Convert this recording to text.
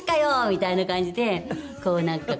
みたいな感じでこうなんか。